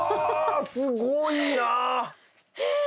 すごいな！え！